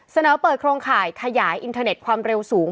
เสนอเปิดโครงข่ายขยายอินเทอร์เน็ตความเร็วสูง